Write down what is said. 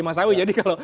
mas awi jadi kalau